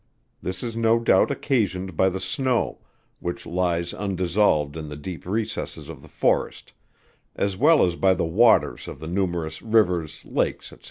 This is no doubt occasioned by the snow, which lies undissolved in the deep recesses of the forest, as well as by the waters of the numerous rivers, lakes, &c.